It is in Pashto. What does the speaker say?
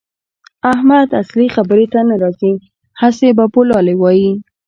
احمد اصلي خبرې ته نه راځي؛ هسې بابولالې وايي.